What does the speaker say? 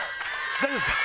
大丈夫ですか？